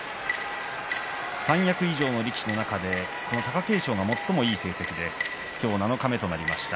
三役以上の力士の中でこの貴景勝が最もいい成績で今日七日目となりました。